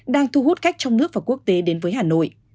đang thu hút khách trong nước và quốc tế đến với hà nội